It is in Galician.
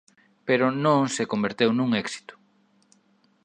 Pero non se converteu nun éxito.